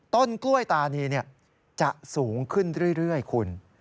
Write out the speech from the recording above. ต้นกล้วยตานีจะสูงขึ้นเรื่อยคุณ